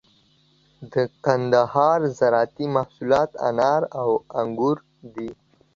د کندهار زراعتي محصولات انار او انگور دي.